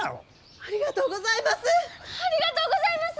ありがとうございます！